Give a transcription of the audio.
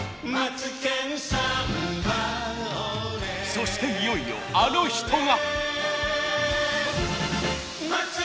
そしていよいよあの人が！